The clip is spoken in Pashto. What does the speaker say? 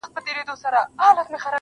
• اوس يې صرف غزل لولم، زما لونگ مړ دی_